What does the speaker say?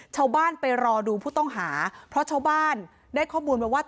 ชาวบ้านไปรอดูผู้ต้องหาเพราะชาวบ้านได้ข้อมูลมาว่า